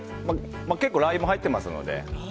結構ラー油も入っていますので。